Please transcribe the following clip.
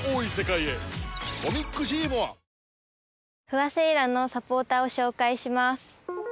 不破聖衣来のサポーターを紹介します